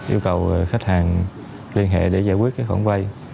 yêu cầu khách hàng liên hệ để giải quyết cái khoản vay